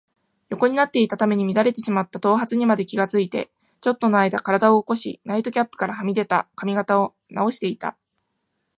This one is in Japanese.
横になっていたために乱れてしまった頭髪にまで気がついて、ちょっとのあいだ身体を起こし、ナイトキャップからはみ出た髪形をなおしていた。